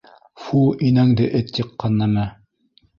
Фу, инәңде эт йыҡҡан нәмә!